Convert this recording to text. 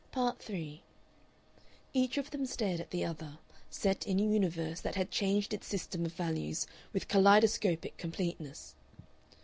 Part 3 Each of them stared at the other, set in a universe that had changed its system of values with kaleidoscopic completeness.